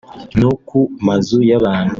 no ku mazu y’abantu